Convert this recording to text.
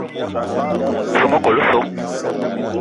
Soo mekol osso.